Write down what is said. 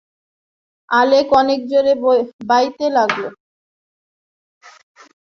Alec অনেক জোরে বাইতে লাগল।